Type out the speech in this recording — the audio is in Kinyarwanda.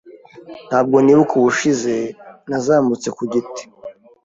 Ntabwo nibuka ubushize nazamutse ku giti.